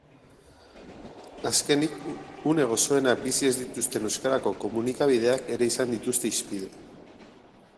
Azkenik, une gozoenak bizi ez dituzten euskarazko komunikabideak ere izan dituzte hizpide.